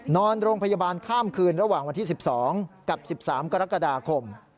นอนโรงพยาบาลข้ามคืนระหว่างวันที่๑๒กับ๑๓กรกฎาคม